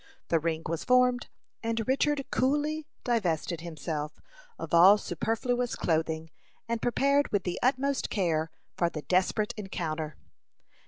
The ring was formed, and Richard coolly divested himself of all superfluous clothing, and prepared with the utmost care for the desperate encounter.